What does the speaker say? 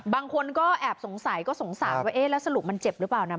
บางคนก็แอบสงสัยก็สงสารว่าเอ๊ะแล้วสรุปมันเจ็บหรือเปล่านะ